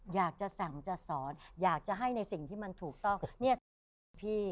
อยากจะสั่งจะสอนอยากจะให้ในสิ่งที่มันถูกต้องเนี่ยพี่